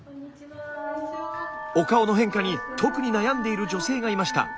お顔の変化に特に悩んでいる女性がいました。